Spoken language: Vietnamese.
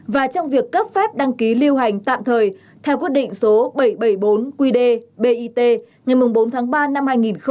và trong việc cấp phép đăng ký lưu hành tạm thời theo quyết định số bảy trăm bảy mươi bốn qd bit ngày bốn tháng ba năm hai nghìn một mươi